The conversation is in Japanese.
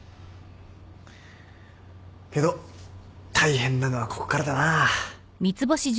けど大変なのはここからだなぁ。